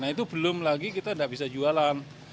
nah itu belum lagi kita tidak bisa jualan